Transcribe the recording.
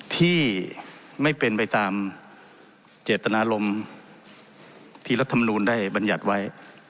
ที่ไม่เป็นไปตามเจตนารมณ์ที่รัฐมนูลได้บรรยัติไว้